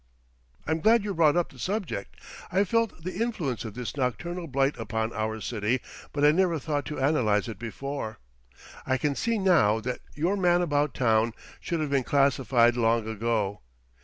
"I'm glad you brought up the subject; I've felt the influence of this nocturnal blight upon our city, but I never thought to analyse it before. I can see now that your 'Man About Town' should have been classified long ago.